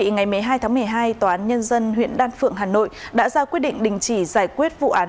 ngày một mươi hai tháng một mươi hai tòa án nhân dân huyện đan phượng hà nội đã ra quyết định đình chỉ giải quyết vụ án